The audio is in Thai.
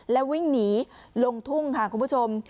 แล้ววิ่งหนีลงทุ่งค่ะคุณผู้ชม